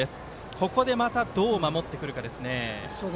ここでまた、どう守ってくるか。